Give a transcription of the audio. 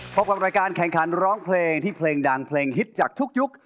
พบกับรายการแข่งขันร้องเพลงที่เพลงดังเพลงฮิตจากทุกยุค